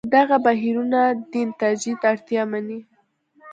دغه بهیرونه دین تجدید اړتیا مني.